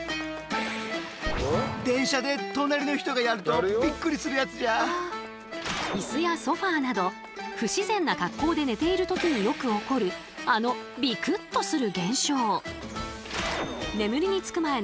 それでは椅子やソファーなど不自然な格好で寝ている時によく起こるあのビクッとする現象。